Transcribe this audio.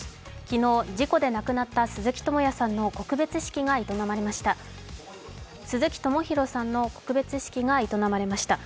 昨日、事故で亡くなった鈴木智也さんの告別式が